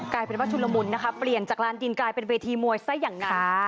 กลายเป็นว่าชุดละมุนเปลี่ยนจากร้านดินกลายเป็นเวทีมวยทั้งกัน